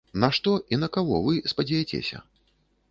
На што і на каго вы спадзеяцеся?